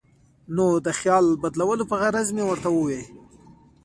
نو د خیال بدلولو پۀ غرض مې ورته اووې ـ